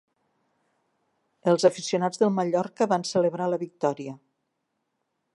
Els aficionats del Mallorca van celebrar la victòria.